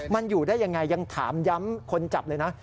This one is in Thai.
มันอยู่ได้ยังไงยังถามย้ำคนจับเลยนะ